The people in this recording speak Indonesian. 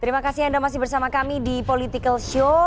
terima kasih anda masih bersama kami di political show